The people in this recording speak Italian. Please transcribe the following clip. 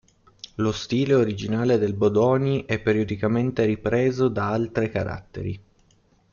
Lo stile originale del Bodoni è periodicamente ripreso da altre caratteri.